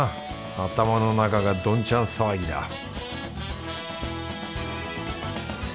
頭の中がドンチャン騒ぎだ